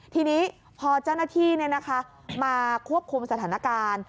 ทีนี้พอเจ้าหน้าที่มาควบคุมสถานการณ์